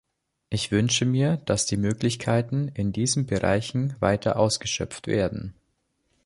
Ich wünsche mir, dass die Möglichkeiten in diesen Bereichen weiter ausgeschöpft werden.